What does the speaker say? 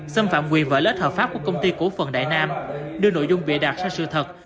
xâm phạm quyền vợ lết hợp pháp của công ty cổ phần đại nam đưa nội dung vệ đạt xa sự thật